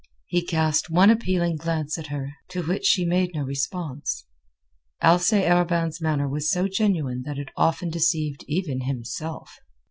He cast one appealing glance at her, to which she made no response. Alcée Arobin's manner was so genuine that it often deceived even himself.